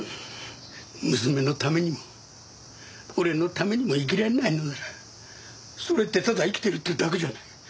娘のためにも俺のためにも生きられないのならそれってただ生きてるってだけじゃない。